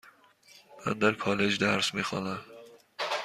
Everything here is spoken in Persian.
من در کالج درس میخوانم.